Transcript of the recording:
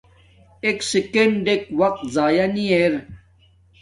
ایک سکینڈ وقت زیعہ نی ار